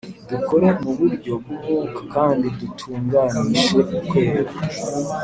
Dukore mu buryo bw’umwuka kandi dutunganishe ukwera